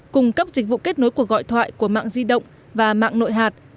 cung cấp dịch vụ kết nối cuộc gọi thoại của mạng di động và mạng nội hạt